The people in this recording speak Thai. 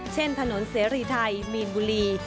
เช่นถนนเสรีไทยมีนบุรี